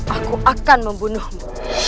aku akan membunuhmu